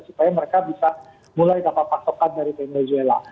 supaya mereka bisa mulai dapat pasokan dari venezuela